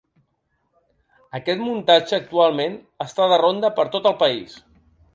Aquest muntatge actualment està de ronda per tot el país.